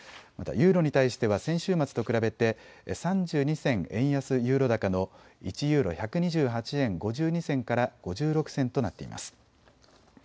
またユーロに対しては先週末と比べて３２銭円安ユーロ高の１ユーロ１２８円５２銭から５６銭となっています。